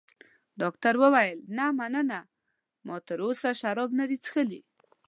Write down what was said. ډاکټر وویل: نه، مننه، ما تراوسه شراب نه دي څښلي.